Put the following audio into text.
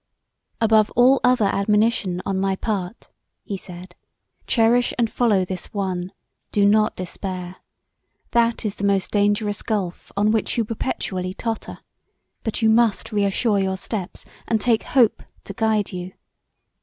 "Above all other admonition on my part," he said, "cherish and follow this one: do not despair. That is the most dangerous gulph on which you perpetually totter; but you must reassure your steps, and take hope to guide you.